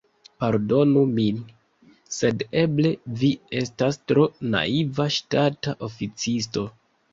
Pardonu min, sed eble vi estas tro naiva ŝtata oficisto.